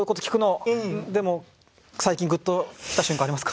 でも最近グッときた瞬間ありますか？